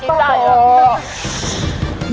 หมูเขาดี